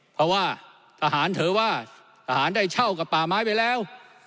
เพราะว่าทหารถือว่าทหารได้เช่ากับป่าไม้ไปแล้ว